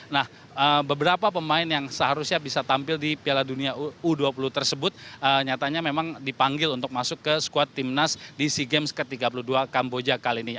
nah beberapa pemain yang seharusnya bisa tampil di piala dunia u dua puluh tersebut nyatanya memang dipanggil untuk masuk ke squad timnas di sea games ke tiga puluh dua kamboja kali ini